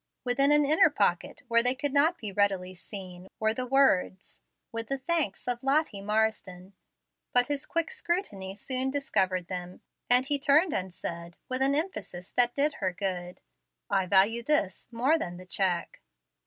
Within an inner pocket, where they could not be readily seen, were the words, "With the thanks of Lottie Marsden." But his quick scrutiny soon discovered them, and he turned and said, with an emphasis that did her good, "I value this more than the check."